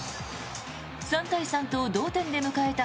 ３対３と同点で迎えた